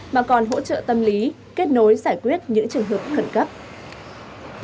mà còn hỗ trợ tâm lý kết nối giải quyết những trường hợp khẩn cấp